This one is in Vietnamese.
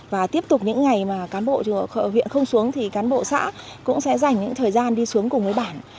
và tiếp tục những ngày mà cán bộ huyện không xuống thì cán bộ xã cũng sẽ dành những thời gian đi xuống cùng với bản